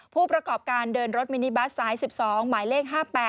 ผู้ประกอบการเดินรถมินิบัสสาย๑๒หมายเลข๕๘